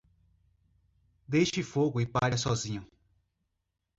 Deixe fogo e palha sozinho.